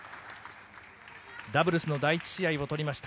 ダブルスの第１試合を取りました。